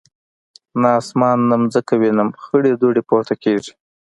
نه اسمان نه مځکه وینم خړي دوړي پورته کیږي